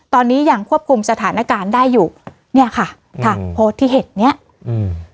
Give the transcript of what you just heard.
ตอนนี้ยังควบคุมสถานการณ์ได้อยู่เนี้ยค่ะค่ะโพสต์ที่เห็นเนี้ยอืม